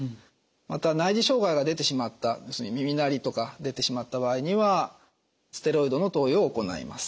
また内耳障害が出てしまった要するに耳鳴りとか出てしまった場合にはステロイドの投与を行います。